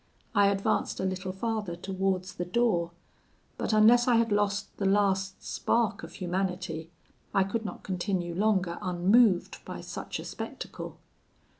I advanced a little farther towards the door, but, unless I had lost the last spark of humanity, I could not continue longer unmoved by such a spectacle.